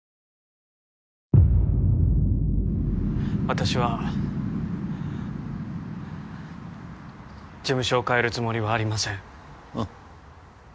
私は事務所をかえるつもりはありませんうん